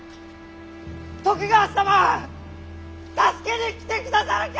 徳川様は助けに来てくださるんか！